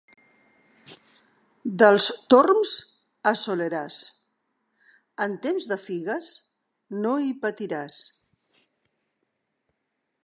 Dels Torms a Soleràs, en temps de figues no hi patiràs.